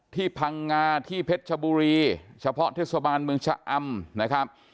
พังงาที่เพชรชบุรีเฉพาะเทศบาลเมืองชะอำนะครับ